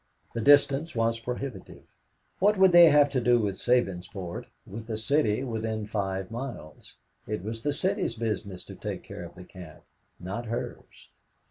The distance was prohibitive. What would they have to do with Sabinsport, with the City within five miles? It was the City's business to take care of the camp, not hers.